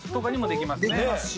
できますし。